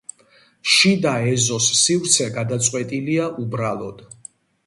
შიდა ეზოს სივრცე გადაწყვეტილია უბრალოდ.